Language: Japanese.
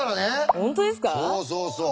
そうそうそう。